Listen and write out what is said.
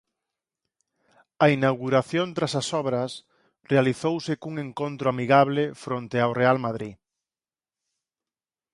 A inauguración tras as obras realizouse cun encontro amigable fronte ao Real Madrid.